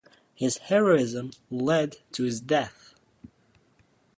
His heroism led to his death.